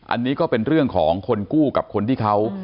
อันนี้ก็เป็นเรื่องของคนกู้กับคนที่เขา